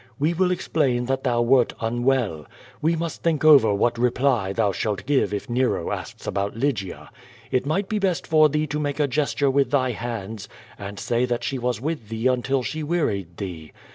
We will explain that thou wert unwell. We must think over what 236 or''^> VAnrsi. reply thou shalt give if Xero asks about L5'gia. It might be best for thee to make a gesture with tliy hands and say that she was with thee until she wearied thee.